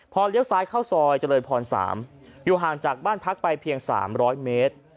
พอเลี้ยวซ้ายเข้าซอยเจริญพร๓อยู่ห่างจากบ้านพักไปเพียง๓๐๐เมตร